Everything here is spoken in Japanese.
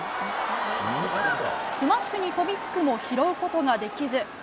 スマッシュに飛びつくも拾うことができず。